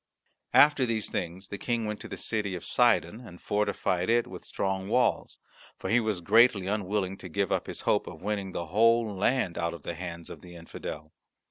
After these things the King went to the city of Sidon and fortified it with strong walls, for he was greatly unwilling to give up his hope of winning the whole land out of the hands of the infidel.